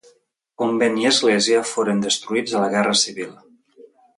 Convent i església foren destruïts a la guerra civil.